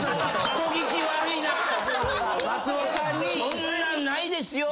そんなんないですよ。